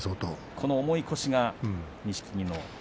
この重い腰が錦木の。